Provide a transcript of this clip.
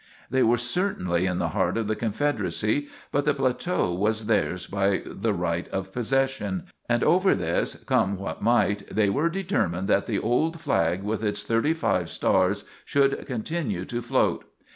They were certainly in the heart of the Confederacy, but the plateau was theirs by the right of possession, and over this, come what might, they were determined that the old flag with its thirty five stars should continue to float.